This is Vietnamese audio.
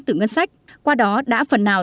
từ ngân sách qua đó đã phần nào